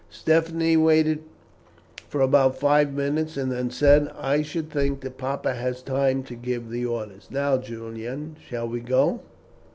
Stephanie waited for about five minutes and then said: "I should think that papa has had time to give the orders. Now, Julian, shall we go?"